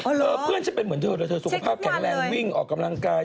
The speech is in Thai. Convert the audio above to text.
เพื่อนฉันเป็นเหมือนเธอเลยเธอสุขภาพแข็งแรงวิ่งออกกำลังกาย